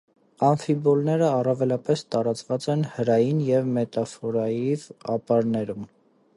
Ամֆիբոլները առավելապես տարածված են հրային և մետամորֆայիև ապարներում։